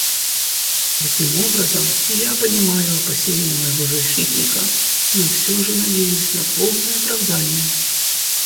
Таким образом, я понимаю опасения моего защитника, но все же надеюсь на полное оправдание.